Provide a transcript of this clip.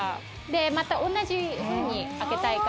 でまた同じふうに空けたいから。